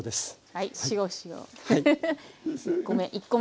はい。